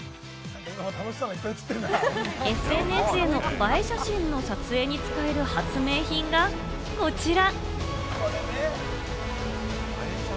ＳＮＳへの映え写真の撮影に使える発明品がこちら。